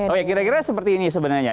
oke kira kira seperti ini sebenarnya